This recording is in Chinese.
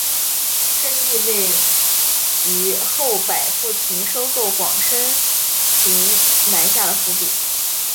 这亦为及后百富勤收购广生行埋下了伏笔。